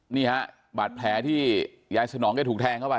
นี่ฮะบาดแผลที่ยายสนองแกถูกแทงเข้าไป